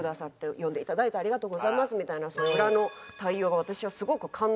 呼んで頂いてありがとうございますみたいな裏の対応が私はすごく感動してですね。